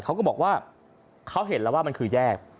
เขาก็บอกว่าเขาเห็นแล้วว่ามันคือแยก